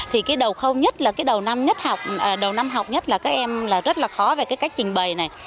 thì cái đầu khâu nhất là cái đầu năm học nhất là các em rất là khó về cái cách trình bày này